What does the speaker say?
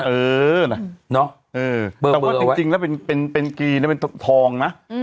เออนะเออเบอร์เบอร์เอาไว้แต่ว่าจริงแล้วเป็นกรีนแล้วเป็นทองนะ